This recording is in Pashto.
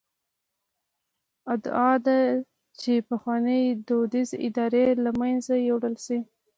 ادعا ده چې پخوانۍ دودیزې ادارې له منځه یووړل شي.